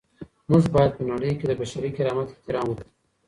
موږ باید په نړۍ کي د بشري کرامت احترام وکړو.